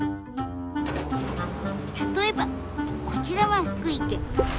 例えばこちらは福井県。